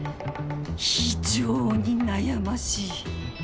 非常に悩ましい